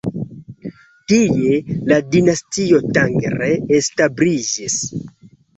Tie la Dinastio Tang re-establiĝis.